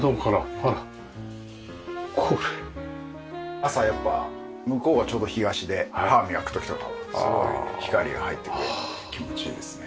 朝やっぱ向こうがちょうど東で歯を磨く時とかすごい光が入ってきて気持ちいいですね。